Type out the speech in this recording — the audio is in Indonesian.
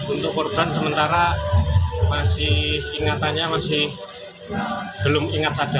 untuk korban sementara masih ingatannya masih belum ingat saja